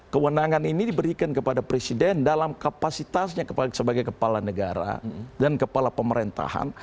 kewenangan ini diberikan kepada presiden dalam kapasitasnya sebagai kepala negara dan kepala pemerintahan